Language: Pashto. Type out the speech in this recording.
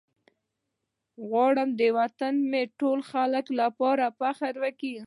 زه غواړم وطن مې د ټولو خلکو لپاره فخر وي.